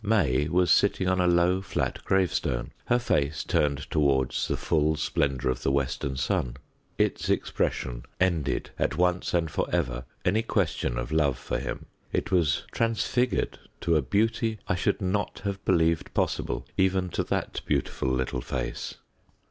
May was sitting on a low flat gravestone, her face turned towards the full splendour of the western sun. Its expression ended, at once and for ever, any question of love for him; it was transfigured to a beauty I should not have believed possible, even to that beautiful little face.